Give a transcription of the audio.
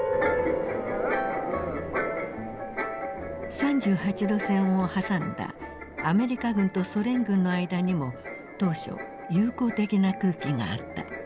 ３８度線を挟んだアメリカ軍とソ連軍の間にも当初友好的な空気があった。